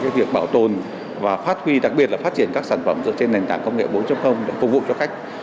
việc bảo tồn và phát huy đặc biệt là phát triển các sản phẩm dựa trên nền tảng công nghệ bốn để phục vụ cho khách